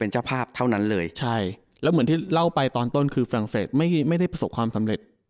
เจ้าภาพเท่านั้นเลยใช่แล้วเหมือนที่เล่าไปตอนต้นคือฝรั่งเศสไม่ได้ประสบความสำเร็จ